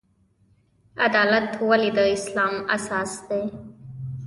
عدالت ولې د اسلام اساس دی؟